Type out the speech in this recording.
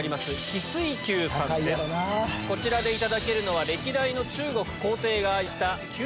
こちらでいただけるのは歴代の中国皇帝が愛した。